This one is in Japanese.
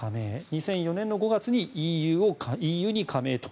２００４年の５月にＥＵに加盟と。